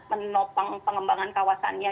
menopang pengembangan kawasannya